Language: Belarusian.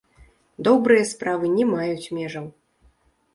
Добрыя справы не маюць межаў!